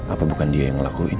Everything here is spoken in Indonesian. apa bukan dia yang ngelakuin